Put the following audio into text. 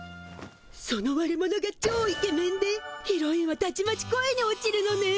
その悪者がちょうイケメンでヒロインはたちまち恋に落ちるのね！